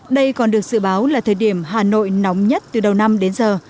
đây còn được dự báo là thời điểm hà nội nóng nhất từ đầu năm đến giờ